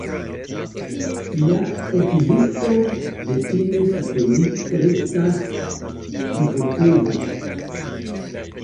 La ekzisto de tiu satelito restas hipoteza.